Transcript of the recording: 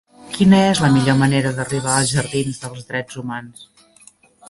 Quina és la millor manera d'arribar als jardins dels Drets Humans?